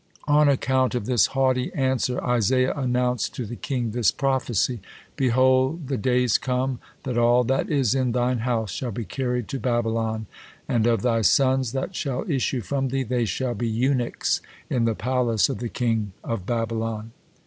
On account of this haughty answer Isaiah announced to the king this prophecy: "Behold, the days come, that all that is in thine house shall be carried to Babylon; and of thy sons that shall issue from thee, they shall be eunuchs in the palace of the king of Babylon."